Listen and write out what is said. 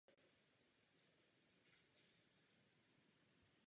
Spoléhali se přitom na svůj skvělý zrak a také dobrý sluch.